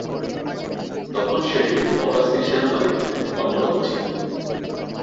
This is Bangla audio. তখন শেরিফ ফরাসি সেনাবাহিনীতে কর্মরত ছিলেন।